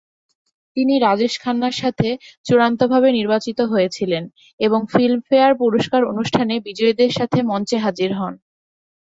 তিনি রাজেশ খান্নার সাথে চূড়ান্তভাবে নির্বাচিত হয়েছিলেন এবং ফিল্মফেয়ার পুরস্কার অনুষ্ঠানে বিজয়ীদের সাথে মঞ্চে হাজির হন।